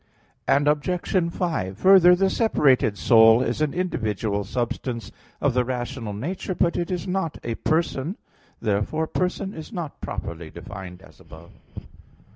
Obj. 5: Further, the separated soul is an individual substance of the rational nature; but it is not a person. Therefore person is not properly defined as above.